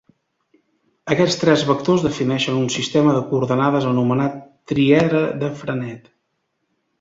Aquests tres vectors defineixen un sistema de coordenades anomenat triedre de Frenet.